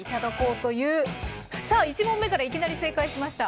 さあ１問目からいきなり正解しました。